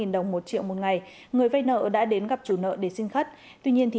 ba đồng một triệu một ngày người vây nợ đã đến gặp chủ nợ để xin khắt tuy nhiên